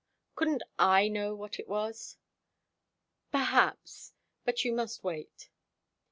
"Couldn't I know what it was?" "Perhaps. But you must wait."